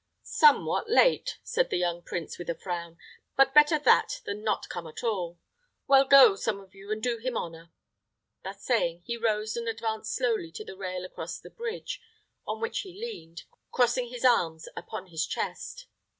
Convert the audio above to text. "Somewhat late," said the young prince, with a frown; "but better that than not come at all. Well go, some of you, and do him honor." Thus saying, he rose and advanced slowly to the rail across the bridge, on which he leaned, crossing his arms upon his chest.